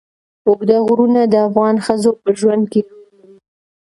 اوږده غرونه د افغان ښځو په ژوند کې رول لري.